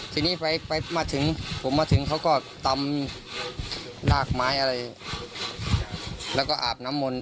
ทีนี้ผมมาถึงเขาก็ตำรากไม้แล้วก็อาบน้ำมนต์